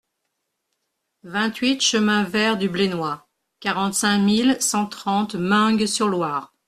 vingt-huit chemin Vert du Blénois, quarante-cinq mille cent trente Meung-sur-Loire